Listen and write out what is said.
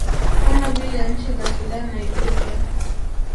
kama vile nchi za Sudan na Ethiopia